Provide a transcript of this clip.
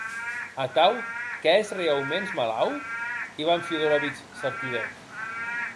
Atau qu'ès reauments malaut?, Ivan Fiódorovich s'arturèc.